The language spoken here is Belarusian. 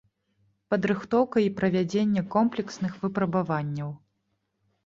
Падрыхтоўка і правядзенне комплексных выпрабаванняў.